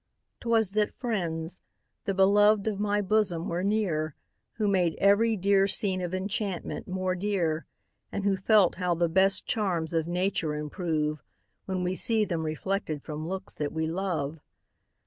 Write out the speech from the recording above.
'Twas that friends, the beloved of my bosom, were near, Who made every dear scene of enchantment more dear, And who felt how the best charms of nature improve, When we see them reflected from looks that we love.